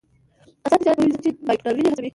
آزاد تجارت مهم دی ځکه چې بایوټیکنالوژي هڅوي.